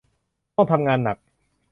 ต้องทำงานหนัก